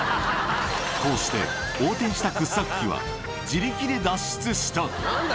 こうして、横転した掘削機は自力で脱出した。